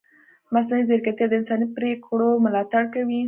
مصنوعي ځیرکتیا د انساني پرېکړو ملاتړ کوي.